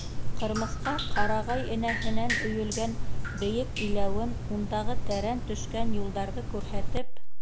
Ҡырмыҫҡа ҡарағай энәһенән өйөлгән бейек иләүен, ундағы тәрән төшкән юлдарҙы күрһәтеп: